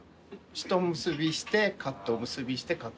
一結びしてカット結びしてカット。